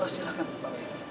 silahkan pak w